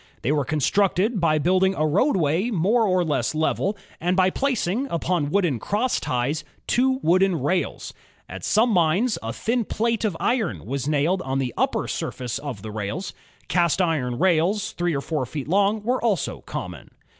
They were constructed by building a roadway more or less level, and by placing, upon wooden crossties, two wooden rails. At some mines, a thin plate of iron was nailed on the upper surface of the rails. Cast iron rails, three or four feet long, were also common.